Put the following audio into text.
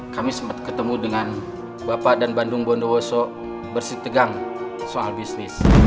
kami sempat ketemu dengan bapak dan bandung bondowoso bersitegang soal bisnis